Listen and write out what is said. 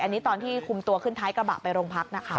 อันนี้ตอนที่คุมตัวขึ้นท้ายกระบะไปโรงพักนะคะ